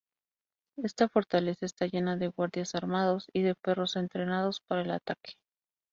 Esta fortaleza está llena de guardias armados y de perros entrenados para el ataque.